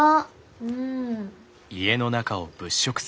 うん。